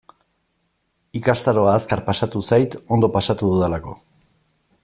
Ikastaroa azkar pasatu zait, ondo pasatu dudalako.